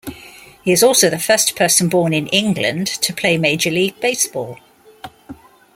He is also the first person born in England to play Major League Baseball.